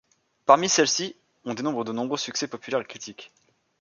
Parmi celles-ci, on dénombre de nombreux succès populaires et critiques.